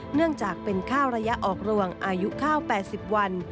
เนื่องจากเป็นข้าวระยะออกรวงอายุข้าว๘๐วัน